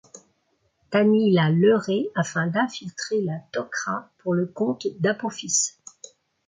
Tanith l'a leurrée afin d'infiltrer la Tok'ra pour le compte d'Apophis.